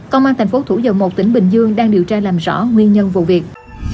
công an thành phố thủ dầu một tỉnh bình dương đang điều tra làm rõ nguyên nhân vụ việc